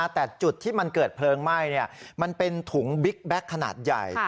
แต่จุดที่มันเกิดเพลิงไหม้มันเป็นถุงบิ๊กแบ็คขนาดใหญ่